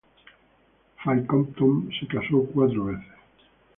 Fay Compton se casó cuatro veces.